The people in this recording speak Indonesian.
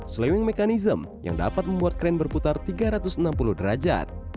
slowing mechanism yang dapat membuat kren berputar tiga ratus enam puluh derajat